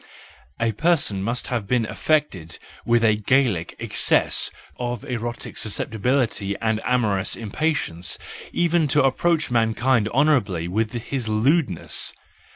A person must have been affected with a Gallic excess of erotic susceptibility and amorous im¬ patience even to approach mankind honourably with his lewdness.